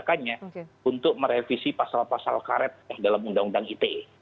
makanya untuk merevisi pasal pasal karet dalam undang undang ite